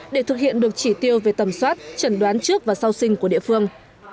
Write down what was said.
để thực hiện được chỉ tiêu về tầm soát chẩn đoán trước và sau sinh của địa phương